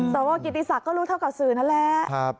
สวกิติศักดิ์ก็รู้เท่ากับสื่อนั่นแหละ